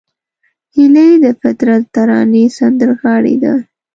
هیلۍ د فطرت ترانې سندرغاړې ده